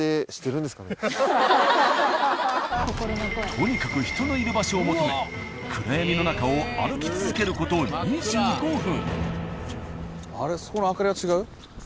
とにかく人のいる場所を求め暗闇の中を歩き続ける事２５分。